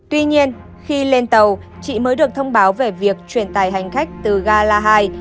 tuy nhiên khi lên tàu chị mới được thông báo về việc truyền tài hành khách từ ga la hai